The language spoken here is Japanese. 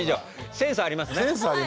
センスありますね。